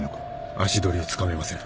・足取りをつかめません。